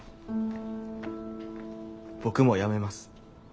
僕もやめます。